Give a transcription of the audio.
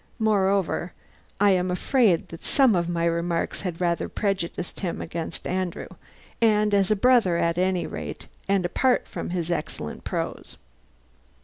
Moreover, I am afraid that some of my remarks had rather prejudiced him against Andrew, as a brother at any rate and apart from his excellent prose.